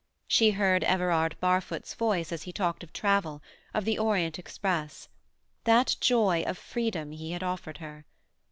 She heard Everard Barfoot's voice as he talked of travel—of the Orient Express. That joy of freedom he had offered her.